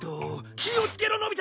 気をつけろのび太！